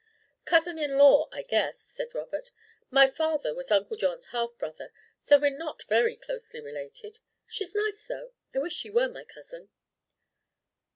"Cousin in law, I guess," said Robert. "My father was Uncle John's half brother, so we're not very closely related. She's nice, though. I wish she were my cousin."